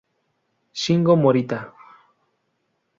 Shingo Morita